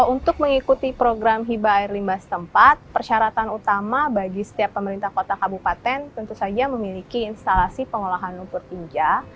untuk mengikuti program hiba air limbah setempat persyaratan utama bagi setiap pemerintah kota kabupaten tentu saja memiliki instalasi pengolahan lumpur tinja